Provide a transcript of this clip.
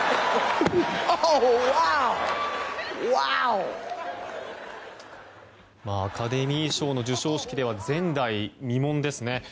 アカデミー賞の授賞式では前代未聞ですね。